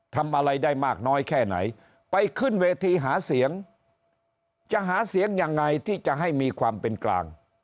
ทำอะไรได้มากน้อยแค่ไหนไปขึ้นเวทีหาเสียงจะหาเสียงยังไงที่จะให้มีความเป็นกลาง